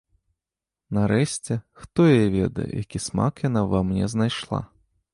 Нарэшце, хто яе ведае, які смак яна ўва мне знайшла.